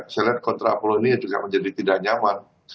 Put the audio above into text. saya lihat kontraplo ini juga menjadi tidak nyaman